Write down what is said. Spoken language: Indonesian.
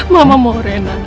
mama mau rena